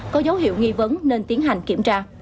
có dấu hiệu nghi vấn nên tiến hành kiểm tra